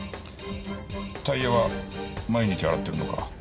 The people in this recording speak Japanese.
タイヤは毎日洗ってるのか？